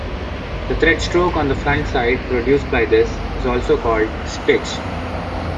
The thread stroke on the front side produced by this is also called "stitch".